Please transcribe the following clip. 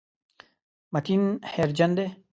متین هېرجن دی.